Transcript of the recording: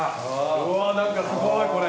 何かすごいこれ。